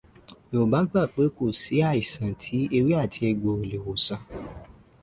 Yorùbá gbà pé kò sí àìsàn tí ewé àti egbò ò le wòsàn